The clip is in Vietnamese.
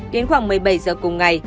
đến khoảng một mươi bảy h cùng ngày